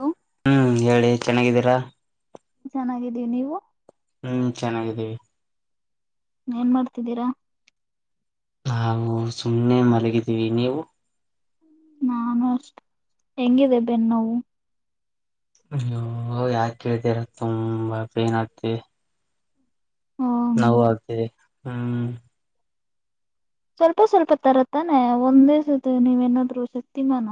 ಹ. ಹ್ಮ್ ಹೇಳಿ ಚೆನ್ನಾಗಿದ್ದೀರಾ. ಚೆನ್ನಾಗಿದ್ದೀ ನೀವು. ಹ್ಮ್ ಚೆನ್ನಾಗಿದ್ದೀವಿ. ಏನ್ ಮಾಡ್ತಿದ್ದೀರಾ. ನಾವು ಸುಮ್ಮ್ನೆ ಮಲಗಿದ್ದೀವಿ ನೀವು. ನಾನು ಅಷ್ಟ ಹೆಂಗಿದೆ ಬೆನ್ನುೋವು. ಅಯ್ಯೋ ಯಾ ಕೇಳ್ತರ ತುಂಬಾ ಪೇನ್ ಆತಿ. ಹ್ಮ ನಾ ಆಗ್ತೇವೆ ಹ್ಮ್. ಸ್ವಲ್ಪ ಸ್ವಲ್ಪ ತರತಾನೆ ಒಂದೇಸ ನೀವ್ೇನಾದ್ರು ಶಕ್ತಿಮಾನ.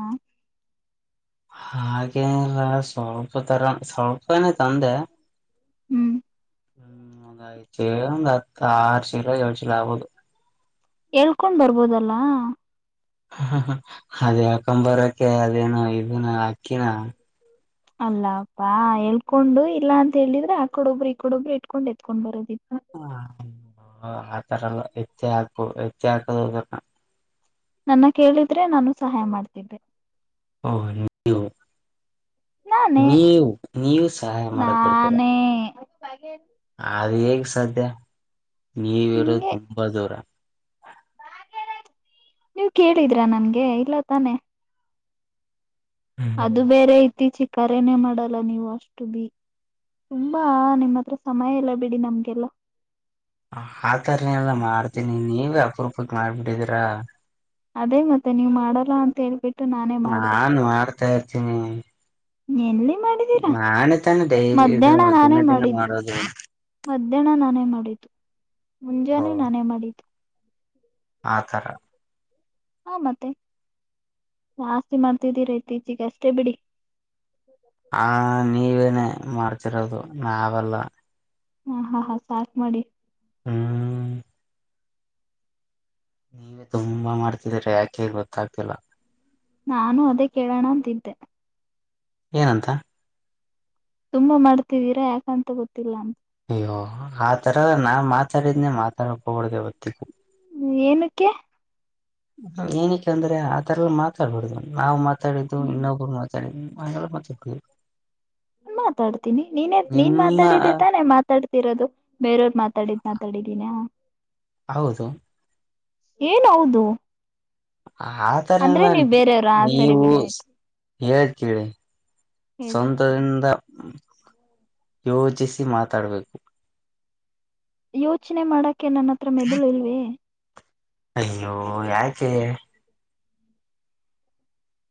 ಹಾಗೆಲ್ಲ ಸ್ವಲ್ಪ ತರ ಸ್ವಲ್ಪನೆೇ ತಂದೆ. ಹ್ಮ್.. ಹ್ಮ್ ಒದಯ್ ಒಂದ್ ಹತ್ತ ಆರು ಶಿಲ ಯೋಳ್ ಶಿಲ ಆಬೋುದು. ಹೇಳ್ಕೊಂಡ್ ಬರ್ಬೋದಲ್ಲ. ಅದೇ ಅಕಂಬರಕ್ಕೆ ಅದೇನ ಇದನ ಅಕ್ಕಿನ. ಅಲ್ಲಪ್ಪಾ ಹೇಳ್ಕೊಂಡು ಇಲ್ಲಾ ಅಂತ ಹೇಳಿದ್ರೆ ಆಕಡ ಒಬ್ರು ಈ ಕಡ ಒಬ್ರು ಇಟ್ಕೊಂಡ್ ಎತ್ಕೊಂಡ್ ಬರೋದಿತ್ತು. ಹ ಆತರಲ್ಲ ಹೆತ್ತಿ ಹಾಕು ಹೆಚ್ಚಿ ಹಾಕದು. ನನ್ನ ಕೇಳಿದ್ರೆ ನಾನು ಸಹಾಯ ಮಾಡ್ತಿದ್ದೆ. ಹ ನಿ. ನಾನೇ ನೀವು ನೀವು ಸಹಾಯ ಮಾಡಕ್ ಬಿಡ್ತೀರ. ನಾನೇ ಅದ ಸಾಧ್ಯ. ನೀವಿ ಇರೋದು ನಂಗೆ ತುಂಬಾ ದೂರ. ನೀವ್ ಕೇಳಿದ್ರಾ ನನ್ಗೆ ಇಲ್ಲ ತಾನೆ. ಹ್ಮ್ ಅದು ಬೇರೆ ಐತಿಚಿ. ಕರೆನೆೇ ಮಾಡಲ್ಲ ನೀವು ಅಷ್ಟು ಬಿ ತುಂಬಾ ನಿಮ್ಮ ಹತ್ರ ಸಮಯ ಎಲ್ಲ ಬಿಡಿ ನಮ್ಗೆಲ್ಲ. ಆತರನಲ್ಲ ಮಾಡ್ತೀನಿ ನೀವ ಅಬ್್ರ. ಪಪಕ್ ಮಾಡ್ಬಿಟ್ಟಿದೀರಾ. ಅದೇ ಮತ್ತೆ ನೀವ್ ಮಾಡಲ್ಲ ಅಂತ ಹೇಳ್ಬಿಟ್ಟು. ನಾನೇ ಮಾಡ್ದೆ ನಾಾನಾರ. [unintelligible] ನೀನ್ಲ್ಲಿ. ಮಾಡೀರಾ ಡೈಲಿ ಇದು ಮಧ್ಯಾಹ್ನ ನಾನೇ ದಿನ ದಿನ ಮಾಡಿದ್ದು ಮಾಡೋದು ಮಧ್ಯಾಹ್ನ ನಾನೇ ಮಾಡಿದ್ದು ಓ ಮುಂಜಾನೆ ನಾನೇ ಮಾಡಿದ್ದು. ಆತರ. ಹಾ ಮತ್ತೆ ಜಾಸ್ತಿ ಮಾಡ್ತಿದ್ದೀರ ಇತ್ತೀಚೆಗೆ ಅಷ್ಟೇ ಬಿಡಿ. ಹಾ ನೀವೆ. ಮಾರ್ಚಿರೋದು ನಾವಲ್ಲ. ಹಾ ಹಾ ಹಾ ಸಾ ಮಾಡಿ. ಹ್ಮ. ನೀವೇ ತುಂಬಾ ಮಾಡ್ತಿದೀ್ರ ಯಾಕೆ ಗೊತ್ತಾಗ್ತಿಲ್ಲ. ನಾನು ಅದೇ ಕೇಳೋಣ ಅಂತಿದ್ದೆ. ಏನಂತ. ತುಂಬಾ ಮಾಡ್ತಿದೀರಾ ಯಾಕಂತ ಗೊತ್ತಿಲ್ಲ ಅಂತ. ಅಯ್ಯೋ ಆ ತರ ನಾನ್ ಮಾತಾಡಿದ್ನನೆ ಮಾತಾಡಕ್ ಹೋಗಬಡ್ದ ಹೊತ್ತಿಗೂ. ಏನಕ್ಕೆ. ಏನಕ್ಕೆ ಅಂದ್ರೆ ಆತರಲ್ಲ ಮಾತಾಡ್ಬಡ್ ನಾ್ ಮಾತಾಡಿದ್ದು ಹ್ಮ ಇನ್ನೊಬರು ಮಾತಾಡಿದ್ ಹಾಗೆಲ್ಲ ಮಾತಾಡ್ತವಿ. ಮಾತಾಡ್ತೀನಿ ನೀನೇ ನೀನ್ ಮಾತಾಡಿದ್ದೆ ತಾನೆ ಮಾತಾಡ್ತಿರೋದು ಬೇರೆಯವ್ರ ಮಾತಾಡಿದ್ ಮಾತಾಡಿದೀನಿ. ಹೌದು. ಏನೌದು. ಆ ಥರಲ್ಲ ಸರಿ ನೀವು ಬಿಡಿ ಆಯ್ತು ಹೇಳ್ ಕೀಳಿ ಹೇಳಿ ಸ್ವಂತದಿಂದ. ಯೋಚಿಸಿ ಮಾತಾಡ್ಬೇಕು. ಯೋಚನೆ ಮಾಡಕ್. ಅಕೆ ನನ್ನ ಹತ್ರ ಮೆದುಳು ಇಲ್ವ. ಅಯ್ಯೋ ಯಾಕೆ.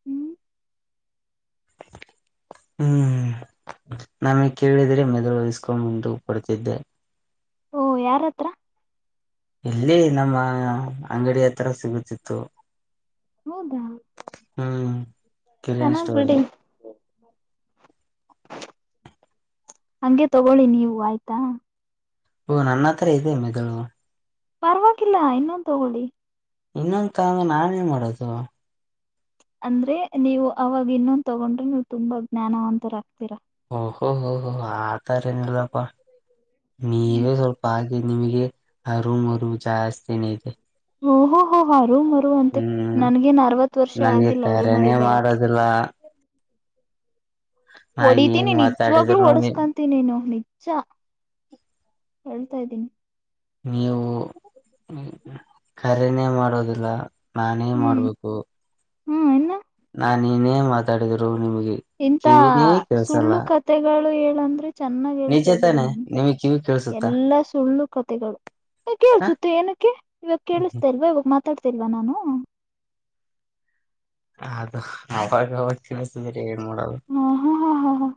ಹ್ಮ್. ಹ್ಮ್ ನಮಗೆ ಕೇಳಿದ್ರೆ ಮೆದುಳುಯಸ್ಕೊಂಡ ಮುಂದು ಪಡ್ತಿದ್ದೆ. ಓ ಯಾರ ಹತ್ರ. ಎಲ್ಲಿ ನಮ್ಮ ಅಂಗಡಿ ಹತ್ರರ ಸಿಗುತ್ತಿತ್ತು. ಹೌದಾ ಹ್ಮ್ ಕರಿಯ ಚೆನ್ನಾಗ್ ಬಿಡಿ ಇಷ್ಟವಲ್ಲ. ಹಂಗೆ ತಗೊಳ್ಳಿ ನೀವು ಆಯ್ತಾ. ಓ ನನ್ನ ಹತ್ರಾ ಇದೆ ಮೆದುಳು. ಪರವಾಗಿಲ್ಲ ಇನ್ನೊಂದು ತೋಗೊಳ್ಳಿ. ಇನ್ನೊಂದ ತಗಂಡು ನಾನೇನ್ ಮಾಡೋದು. ಅಂದ್ರೆ ನೀವು ಅವಾಗ ಇನ್ನೊಂದು ತೊಗೊಂಡ್ರೆ ನೀವು ತುಂಬಾ ಜ್ಞಾನವಂತರಾಗ್ತೀರಾ. ಓಹೋ ಹೊ ಹೋ ಆತರಾ ಎನ್ ಇಲ್ಲಪ್ಪಾ. ನೀವೇ ಸ್ವಲ್ಪ ಹಾಗಿ ನಿಮಿಗೆ. ಅರು ಮುರು. ಜಾಸ್ತಿನೆ ಐತೆ. ಓ ಹೊ ಹ ಹೊ. ಅರು ಮರು ಅಂತೆ ನನ್ಗೇನ್ ಅರವತ್ ವರ್ಷ ನನ್ಗೆ ಆಗಿಲ್ಲ ಕರೆನೇ ಅರುಮರು ಬರಕ್ಕೆ. ಮಾಡೋದಿಲ್ಲ ನಾ ಹೊಡಿತೀನಿ ಏನ್ ನಿಜವಾಗ್ಲೂ ಮಾತಾಡಿದ್ರು ಹೊಡಿಸ್ಕೊಂತಿ ನೀನು ನಿಜ್ ನಿಜ ಹೇಳ್ತಾ ಇದೀನಿ ನೀವು ಕರೇನೆ ಮಾಡೋದಿಲ್ಲ ನಾನೇ ಹ್ಮ್ ಮಾಡ್ಬೇಕು ಹ್ಮ್ ಇನ್ನ ಆ ನೀನೇ ಮಾತಾಡಿದಿರು ಇಂತಾ ಸುಳ್ಳು ಕತೆಗಳು ಹೇಳ್ ಅಂದ್ರೆ ಚೆನ್ನಾಗ್ ನಿಜ ಹೇಳ್ತೀಯ ಬಿಡು ತಾನೆ ನೀನು ನಿಮಗ್ ಕಿವಿ ಕೇಳ್ಸುತ್ತಾ ಎಲ್ಲಾ ಸುಳ್ಳು ಕತೆಗಳು ಏ ಹ ಕೇಳಸುತ್ತೆ ಏನಕ್ಕೆ ಇವಾಗ ಕೇಳಸ್ತಾ ಇಲ್ವಾ ಇವಾಗ ಮಾತಾಡ್ ಚೆ ತಿಲ್ವಾ ನಾನು ಅದು ಅವಾಗ್ ಅವಾಗ್ ಕೇಳ್ಸಿದ್ರೆ ಎನ್ ನೋಡೋದು ಹ ಹಾ ಹಾ ಹಾ ಹಾ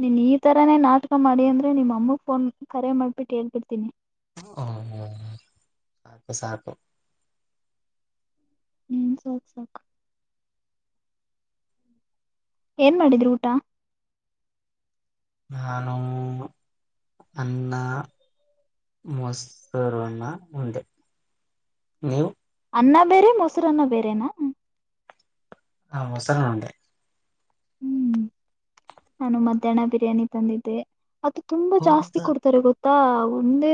ನೀನ್ ಈ ತರಾನೇ ನಾಟಕ ಮಾಡಿ ಅಂದ್ರೆ ನಿಮ್ಮ ಅಮ್ಮಗ್ ಫೋನ್ ಕರೆ ಮಾಡ್ಬಿಟ್ಟು ಹೇಳ್ಬಿಡ್ತೀನಿ ಹ ಹ ಸಾಕು ಸಾಕು ಹ್ಮ್ ಸಾಕ್ ಸಾಕ್ ಏನ್ ಮಾಡಿದ್ರಿ ಊಟ ನಾನು ಅನ್ನಾ ಮೊಸರುಅನ್ನಾ ಉಂಡೆ ನೀವು ಅನ್ನಾ ಬೇರೆ ಮೊಸರನ್ನ ಬೇರೆನಾ ಹ ಮೊಸರನ್ನಾ ಉಂಡೆ ಹ್ಮ್ ನಾನು ಮಧ್ಯಾಹ್ನ ಬಿರಿಯಾನಿ ತಂದಿದ್ದೆ ಅದು ತುಂಬಾ ಜಾಸ್ತಿ ಹೌದಾ ಕೊಡ್ತಾರೆ ಗೊತ್ತಾ ತ್ತಾ ಒಂದೇ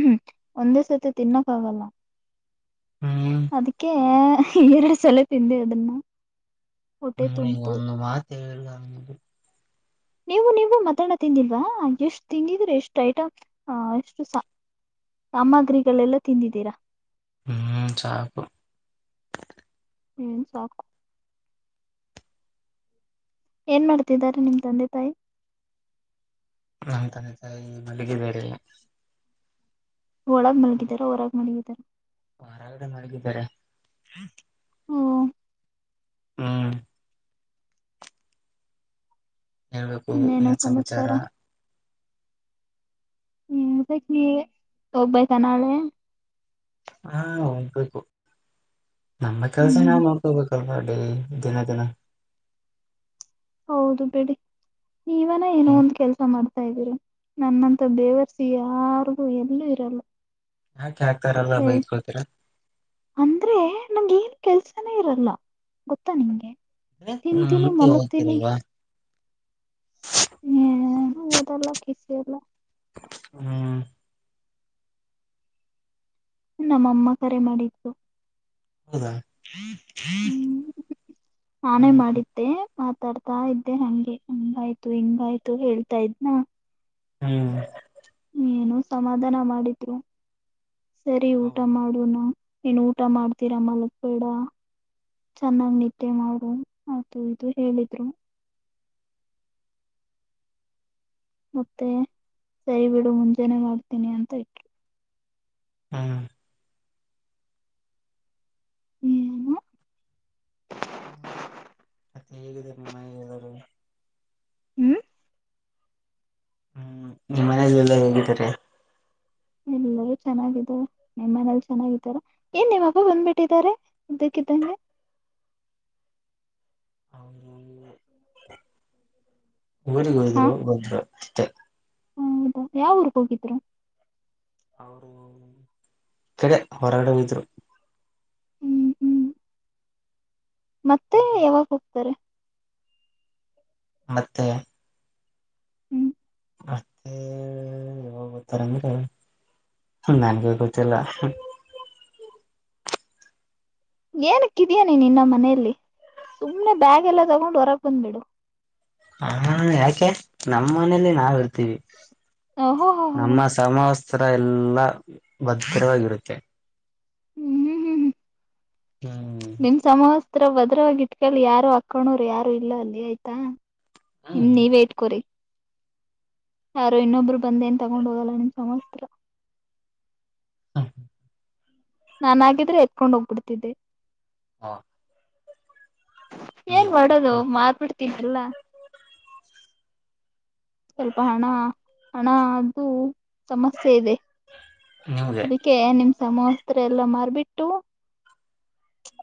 ಹ್ಮ್ ಒಂದೇ ಸತಿ ತಿನ್ನಕ್ಕ ಆಗಲ್ಲಾ ಹ್ಮ್ ಅದೀಕ್ಕೆ ಎರಡ ಸಲಾ ತಿಂದೆ ಅದನ್ನಾ ಹ್ಮ್ ಈಗ ಒಂದು ಮಾತ್ ಹೇಳಿಲ್ಲ ಹ್ಮ್ ಹ್ ನೀವು ನೀವು ಮಧ್ಯಾನ ತಿಂದಿಲ್ವಾ ಎಷ್ಟು ತಿಂದಿದ್ರೆ ಎಷ್ಟ ಐಟಂಸ್ನ ಅ ಎಷ್ಟುಸಾ ಸಾಮಗ್ರಿಗಳೆಲ್ಲ ತಿಂದಿದ್ದೀರಾ ಹ್ಮ್ ಸಾಕು ಹ್ಮ ಸಾಕು ಏನ್ ಮಾಡ್ತಿದ್ದಾರೆ ನಿಮ್ ತಂದೆ ತಾಯಿ ನನ್ ತಂದೆ ತಾಯ ಮಲ್ಲಿಗಿದ್ದಾರೆ ಒಳಗ್ ಮಾಲಗಿದರ ಹೊರಾಗ ಮಲಗಿದರ ಹೊರಗಡೆ ಮಲಗಿದಾರೆ ಓ ಹ್ಮ್ ಹೇಳ್ಬೇಕು ಏನ್ ಸಮಾಚಾರ ಹ್ಮ್ ಹೇಳಬೇಕು ನೀವೇ ಹೋಗಬೇಕಾ ನಾಳೆ ಹಾ ಹೋಗೋಗ್ಬೇಕು ನಮ್ಮ ಕೆಲ್ಸ ಹ್ಮ್ ನಾವು ನೋಕೋಬೇಕಲ್ವಾ ದಿನ ದಿನ ಹೌದು ಬಿಡಿ ನೀವೇನೋ ಏನೋ ಹ್ಮ್ ಒಂದ್ ಕೆಲಸ ಮಾಡ ತಾ ಇದ್ದೀರ ನನ್ನಂತ ಬೇವರ್ಸಿ ಯಾರಿಗು ಎಲ್ಲೂ ಇರಲ್ಲ ಯಾಕೆ ಹಾಕ್ತಾರಲ್ಲ ಬೈಕೊಳ್ತರ ಅಂದ್ರೆ ನಂ ಏನ್ ಕೆಲ್ಸನೇ ಇರಲ್ಲ ಗೊತ್ತಾ ನಿಂಗೆ ಮೆ ತಿಂತೀನಿ ಮಲಗ್ತೀನಿ ಹೋಗ್ತಿರಲ್ವಾ ಹ್ಮ ಓದಲ್ಲ ಕಿಸಿ ಎಲ್ಲ ಹ್ಮ್ ನಮ್ಮಅಮ್ಮ ಕರೆ ಮಾಡಿದ್ದು ಹೌದಾ ಹ್ಮ್ ನಾನೇ ಹ್ಮ್ ಮಾಡಿದ್ದೆ ಮಾತಾಡ್ತಾ ಇದ್ದೆ ಹಂಗೆ ಹಂಗಾಯ್ತು ಹಿಂಗಾಯ್ತು ಹೇಳ್ತಾ ಇದ್ನಾ ಹ್ಮ್ ಏನು ಸಮಾಧಾನ ಮಾಡಿದ್ರು ಸರಿ ಊಟ ಹೌದು ಮಾಡುನು ಏನ್ ಊಟ ಮಾಡ್ತೀರಾ ಮಲಕ್ ಬೇಡ ಚೆನ್ನಾಗಿ್ ನತ್ಯೆ ಮಾಡು ಅದು ಇದು ಹೇಳಿದ್ರು ಮತ್ತೆ ಸೈ ಬಿಡು ಮುಂಜಾನೆ ಮಾಡ್ತೀನಿ ಅಂತ ಇಟ್ರು ಹ್ಮ್ ಹ್ಮ್ ಮತ್ತೆ ಹೇಗಿದ್ದ ನಿಮ್ಮ ನೆರೆ ಹ್ಮ್ ಹ್ಮ್ ನಿಮ್ಮ ಮನೆಯಲ್ಲಿಲ್ಲ ಹೇಂಗಿದ್ದಾರೆ ಎಲ್ಲರೂ ಚೆನ್ನಾಗಿದ್ದಾರೆ ನಿಮ್ಮನಲ್ ಚೆನ್ನಾಗಿದ್ದಾರ ಏನ್ ನಿಮ್ಮಬ್ಬ ಬಂದ್ಬಿಟ್ಟಿದಿದ್ದಾರೆ ಇದ್ದಕ್ಕಿದ್ದಂಗೆ ಅವರು ಊರಿಗೆಗ್ ಹಾ ಹೋದ್ರು ಹೋದ್ರು ಹೌದಾ ಯಾವ ಊರ್ಗ್ ಹೋಗಿದ್ರು ಕೆಡೆ ಹೊರಾಡಿದ್ರು ಹ್ಮ್ ಹ್ಮ್ ಮತ್ತೆ ಯಾವಾಗ ಹೋಗ ಹತಾರೆ ಮತ್ತೆ ಹ್ಮ್ ಮತ್ತೆ ಗತ್ತಾರಂದ್ರೆ ನನ್ಗೆ ಗೊತ್ತಿಲ್ಲ ಏನಕ್ಕಿದ್ಯ ನೀ ನಿನ್ನ ಮನೆಯಲ್ಲಿ ಸುಮ್ನೆ ಬ್ಯಾಗ್ ಎಲ್ಲ ತಗೊಂಡು ಹೊರಗೆ ಬಂದ್ಬಿಡು ಹಾ ಯಾಕೆ ನಮ್ಮ ಮನೇಲಿ ನಾವ್ ಇರ್ತೀವಿ ಓಹೋ ಹೋ ಹೋ ಹೋ. ನಮ್ಮ ಸಮ ಸರ ಎಲ್ಲಾ ಭದಕ್ರವಾಗಿರುತ್ತೆ ಹ್ಮ್ ಹ್ಮ್ ಹ್ಮ್ ಹ್ಮ್ ಹ್ಮ್ ಹತ್ರ ಭದ್ರವಾಗಿ ಇಟ್ಕಿ ಯಾರು ಅಕ್ಕೊಂಡೋರು ಯಾರು ಇಲ್ಲ ಅಲ್ಲಿ ಆಯ್ತಾ ನಿಮ್ ಹ್ಮ್ ನೀವ ಇಟ್ಕರಿ ಯಾರೋ ಇನ್ನೊಬ್ಬರು ಬಂದೇನ್ ತಗೊಂಡು ಹೋಗಲ್ಲ ನಿಮ್ಮ ಸಮಸ್ತ್ರ ಹಾ ನಾನಾಗಿದ್ರೆ ಎತ್ಕೊಂಡ್ ಹೋಗ್ಬಿಡ್ತಿದ್ದೆ ಹಾ. ಏನ್ ಮಾಡೋದು ಕೊಡ್ತೀರಾ ಮಾರ್ಬಿಡ್ತನಲ್ಲ. ಸ್ವಲ್ಪ ಹಣ ಹಣ ಅ್ದು. ಸಮಸ್ಯೆ ಇದೆ ನಿಮ್ಗೆ ಅದಕ್ಕೆ ನಿಮ. ಸಮೋಸ್ತ್ರ ಎಲ್ಲಾ ಮಾರ್ಬಿಟ್ಟು.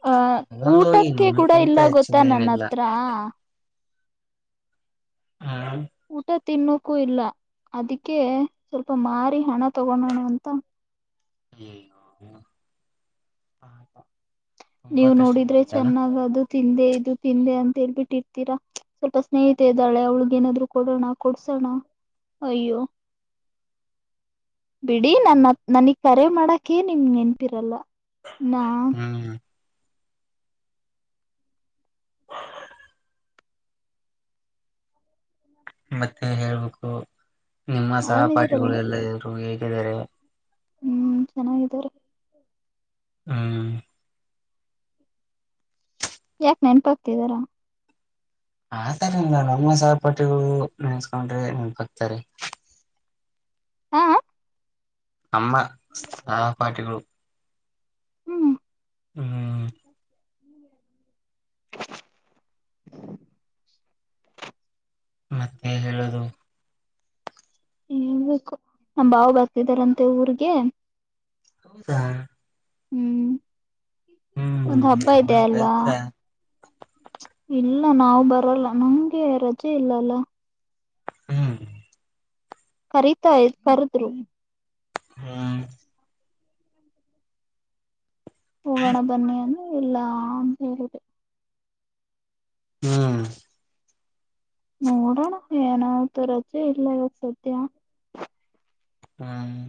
ಆ ಇದೊಂದು ಹೋಗಿ ಊಟಕ್ಕೆ ಕೂಡ ನಿಮಗಿಂತ ಇಲ್ಲ ಹೆಚ್ಚಿನ ಗೊತ್ತಾ ನನ್ನ ಏನಿಲ್ಲ ಹತ್ರ. ಹ್ಮ್ ಊಟ. ತಿನ್ನೋಕ್ಕೂ ಇಲ್ಲ ಅದಕ್ಕೆ ಸ್ವಲ್ಪ ಮಾರಿ ಹಣ ತಗೋೋಣ ಅಂತ. ಎ ಹ. ನೀವು ನೋಡಿದ್ರೆ ಚೆನ್ನಾಗ ಅದು. ತಿಂದೆ ಇದು ತಿಂದೆ ಅಂತ ಹೇಳ್ಬಿಟ್ಟಿರ್ತೀರಾ ಸ್ವಲ್ಪ ಸ್ನೇಹಿತ ಇದ್ದಾಳೆ ಅವಳಗ್ ಏನಾದ್ರು ಕೊಡೋಣ ಕೊಡ್ಸೋಣ ಅಯ್ಯೋ. ಬಿಡಿ ನನ್ನ ನನಗ್. ಸರೆ ಮಾಡಕೆ ನಿಮ ನೆನ್ಪಿರಲ್ಲ. ನ.. ಹ್ಮ್ ಮತ್ತೆ ಹೇಳ್ಬೇಕು. ನಿಮ್ಮ ಆರಾಮಿದೀರಲ್ಲ ಸಹಪಾಠಿಗಳುೆಲ್ಲ. ಹೇಗಿದ್ದಾರೆ. ಹ್ಮ್ ಚೆನ್ನಾಗಿದಾರ. ಹ್ಮ್. ಯಾಕ ನೆನಪಾಗಗ್ತಿದಾರಾ. ಆತರ ಇಲ್ಲ ನಮ್ಮ ಸಹಪಾಠಿಗಳು ನೆನೆಸ್ಕೊಂಡ್ರೆ ಬಕ್ತಾರೆ. ಹಾ. ನಮ್ಮ ಸಹಪಾಠಿಗಳು. ಹ್ಮ್. ಈ ಹ್ಮ್ ಹ. ಮತ್ತೆ ಹೇಳೋದು. ಹೇಳ್ಬೇಕು ನಮ್ಮ ಬಾವ ಬರ್ತಿದಾರಂತ ಊರಿಗಿ. ಹೌದಾ. ಹ್ಮ್. ಹ್ಮ್ ಒಂದ್ ಹಬ್ಬ ಇದೆ ನಮ್ಮನ್ನು ಅಲ್ವಾ. ಕಲ್ತೀರಾ ಇಲ್ಲ ನಾವವು ಬರಲ್ಲ ನಂಗೆ ರಜೆ ಇಲ್ಲಲ್ಲ. ಹ್ಮ್. ಕರೀತಾ ಕರೆದ್ರು. ಹ್ಮ ಹೋಗೋಣ ಬನ್ನಿ ಅಂತ. ಇಲ್ಲಂತ ಹೇಳುದು. ಹ್ಮ್. ನೋಡೋಣ ಏನತು ರಜೆ ಇಲ್ಲ ಇವಾಗ ಸದ ಹ್ಮ್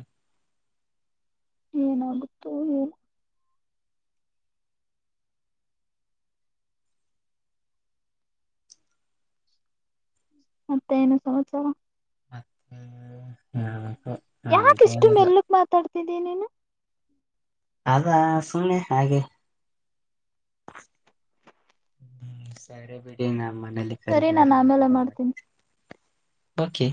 ಏನಾಗುತ್ತೋ ಏನೋ ಮತ್ತೆ ಏನು ಸಮಾಚಾರ ಮತ್ತ ಹ್ಮ ಯಾಕ ಇಷ್ಟು ಮೆಲ್ಲಕ್ ಮಾತಾಡ್ತ ದೇನೇನು ಅದಾ ಸುಮ್ನೆ ಹಾಗೆ ಸರಿ ಬಿಡಿ ನ ಮಣ್ಣಲ್ಲಿ ಕರೆ ಸರಿ ನಾನು ಆಮೇಲೆ ಮಾಡ್ತೀನಿ ಓಕೆ